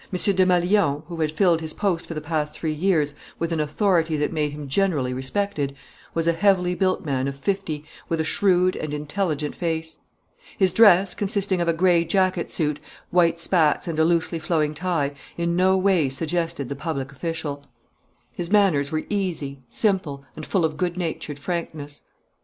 Desmalions, who had filled his post for the past three years with an authority that made him generally respected, was a heavily built man of fifty with a shrewd and intelligent face. His dress, consisting of a gray jacket suit, white spats, and a loosely flowing tie, in no way suggested the public official. His manners were easy, simple, and full of good natured frankness.